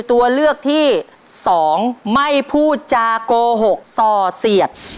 ตัวเลือกที่สองไม่พูดจาโกหกส่อเสียด